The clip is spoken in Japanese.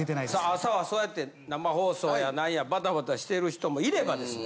朝はそうやって生放送や何やバタバタしてる人もいればですね